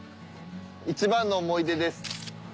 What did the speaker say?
一番の思い出です。